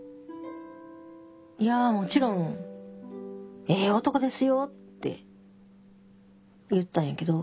「いやもちろんええ男ですよ」って言ったんやけど。